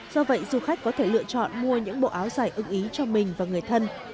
do vậy du khách có thể lựa chọn mua những bộ áo dài ưng ý cho mình và người thân